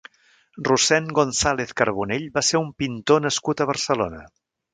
Rossend González Carbonell va ser un pintor nascut a Barcelona.